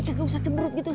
gak usah cebrut gitu